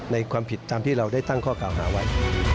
ในความผิดตามที่เราได้ตั้งข้อกล่าวหาไว้